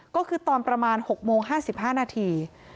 ก็คือตอนประมาณ๖โมง๕๕นาที